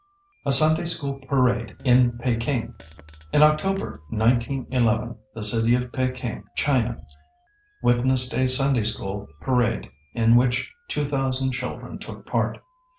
[Sidenote: A Sunday School Parade in Peking.] In October, 1911, the city of Peking, China, witnessed a Sunday School parade in which two thousand children took part.